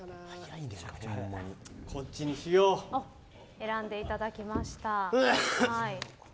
選んでいただきました。